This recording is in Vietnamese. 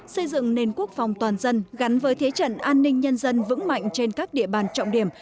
xây dựng nền quốc phòng toàn dân gắn với thế trận an ninh nhân dân vững mạnh trên các địa bàn trọng điểm